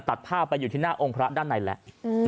ตัดผ้าไปอยู่ที่หน้าองค์พระด้านในแหละ